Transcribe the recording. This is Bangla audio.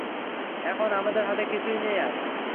এখন আমাদের হাতে কিছুই নেই আর।